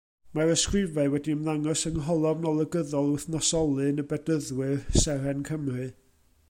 Mae'r ysgrifau wedi ymddangos yng ngholofn olygyddol wythnosolyn y Bedyddwyr, Seren Cymru.